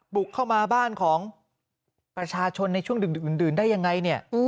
บุกเข้ามาบ้านของประชาชนในช่วงดึกได้ยังไงเนี่ย